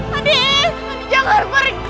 adi jangan pergi